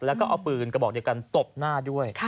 แล้วก็เอาปืนกระบอกเดียวกันตบหน้าด้วย